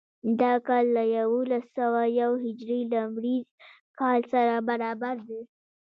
دا کال له یوولس سوه یو هجري لمریز کال سره برابر دی.